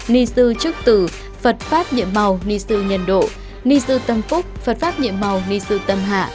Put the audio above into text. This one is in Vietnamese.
ni sư tử phật pháp nhiệm màu ni sư nhân độ ni sư tâm phúc phật pháp nhiệm màu ni sư tâm hạ